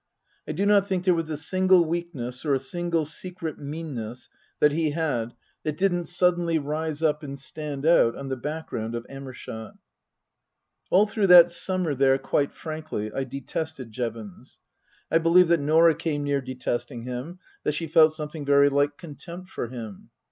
I do not think there was a single weakness or a single secret meanness that he had that didn't suddenly rise up and stand out on the background of Amershott. All through that summer there, quite frankly, I detested Jevons. I believe that Norah came near detesting him, that she felt something very like contempt for him.